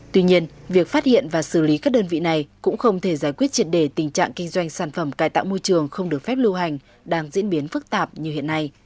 tuy nhiên việc phát hiện và xử lý các đơn vị này cũng không thể giải quyết triệt đề tình trạng kinh doanh sản phẩm cài tạo môi trường không được phép lưu hành đang diễn biến phức tạp như hiện nay